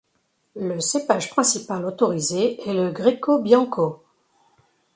Le cépage principal autorisé est le Greco Bianco.